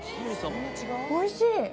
おいしい！